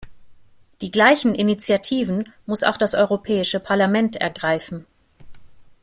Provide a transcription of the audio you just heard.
Die gleichen Initiativen muss auch das Europäische Parlament ergreifen.